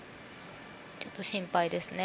ちょっと心配ですね。